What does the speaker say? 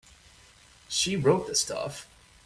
She wrote the stuff.